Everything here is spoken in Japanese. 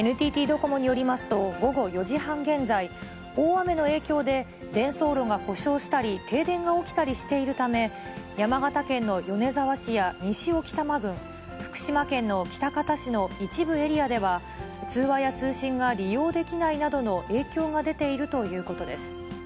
ＮＴＴドコモによりますと、午後４時半現在、大雨の影響で、伝送路が故障したり、停電が起きたりしているため、山形県の米沢市や西置賜郡、福島県の喜多方市の一部エリアでは、通話や通信が利用できないなどの影響が出ているということです。